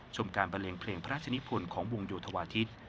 ชมการบันเลงเพลงพระราชนิพลของวงโยธวาทิศ